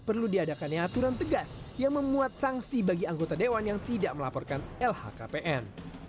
perlu diadakannya aturan tegas yang memuat sanksi bagi anggota dewan yang tidak melaporkan lhkpn